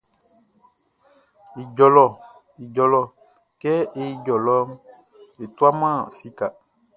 Ijɔ lɔ Ijɔ kɛ e ijɔ lɔ e tuaman sika.